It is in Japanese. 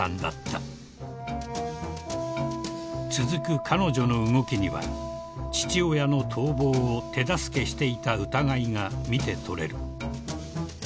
［続く彼女の動きには父親の逃亡を手助けしていた疑いが見てとれる］